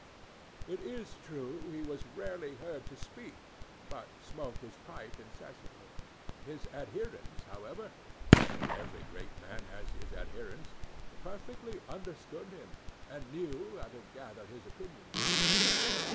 It is true he was rarely heard to speak, but smoked his pipe incessantly. His adherents, however (for every great man has his adherents), perfectly understood him, and knew how to gather his opinions.